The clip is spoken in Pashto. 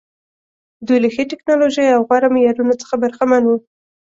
دوی له ښې ټکنالوژۍ او غوره معیارونو څخه برخمن وو.